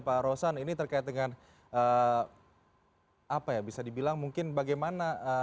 pak rosan ini terkait dengan apa ya bisa dibilang mungkin bagaimana